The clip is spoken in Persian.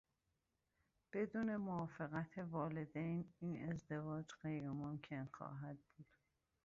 بدون موافقت والدین این ازدواج غیرممکن خواهد بود.